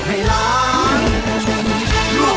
เพลงที่สามมูลค่า๔๐๐๐๐บาท